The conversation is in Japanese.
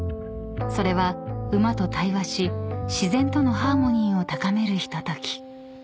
［それは馬と対話し自然とのハーモニーを高めるひととき］